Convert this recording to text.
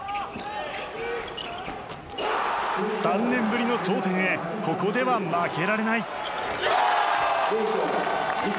３年ぶりの頂点へここでは負けられない。